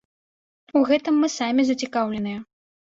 У гэтым мы самі зацікаўленыя.